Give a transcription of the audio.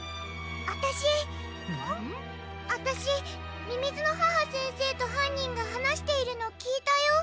あたしあたしみみずの母先生とはんにんがはなしているのきいたよ。